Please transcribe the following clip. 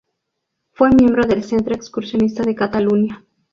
Fue miembro del Centro Excursionista de Cataluña.